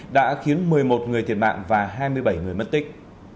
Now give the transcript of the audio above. đã khiến một mươi một người thiệt mạng và hai mươi bảy người mất tích